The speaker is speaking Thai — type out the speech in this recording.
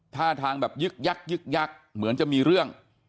ท่าทางแบบยึกยักยึกยักเหมือนจะมีเรื่อง